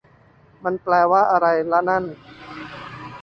มันแปลว่าอะไรละนั่น